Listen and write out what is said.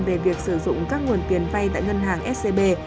về việc sử dụng các nguồn tiền vay tại ngân hàng scb